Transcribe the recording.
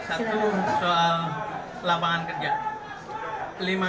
satu soal lapangan kerja